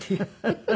フフフフ。